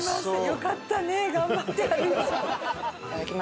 よかったね頑張って歩いて。